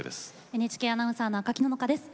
ＮＨＫアナウンサーの赤木野々花です。